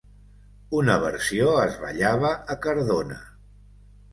Una versió es ballava a Cardona.